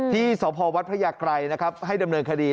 ที่สพวัดพระยากรัยนะครับให้ดำเนินคดี